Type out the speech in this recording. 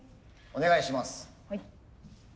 お願いします。